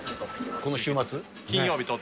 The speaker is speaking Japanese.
この週末？